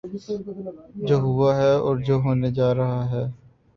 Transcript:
جو ہوا ہے اور جو ہونے جا رہا ہے۔